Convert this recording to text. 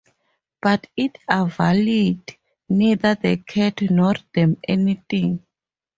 But it availed neither the cat nor them anything.